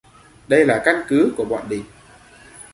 Đây là căn cứ của bọn địch